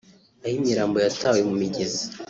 aho imirambo yatawe mu migezi